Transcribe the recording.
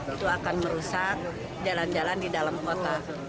itu akan merusak jalan jalan di dalam kota